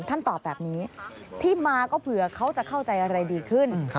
ท่านตอบแบบนี้ที่มาก็เผื่อเขาจะเข้าใจอะไรดีขึ้น